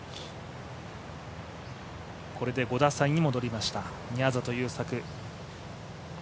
これで５打差に戻りました、宮里優作。